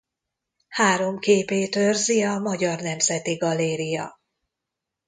Három képét őrzi a Magyar Nemzeti Galéria.